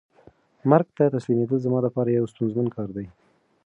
مرګ ته تسلیمېدل زما د پاره یو ستونزمن کار دی.